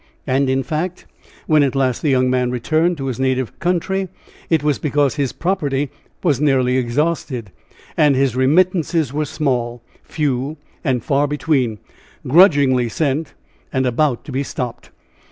And, in fact, when at last the young gentleman returned to his native country, it was because his property was nearly exhausted, and his remittances were small, few and far between, grudgingly sent, and about to be stopped.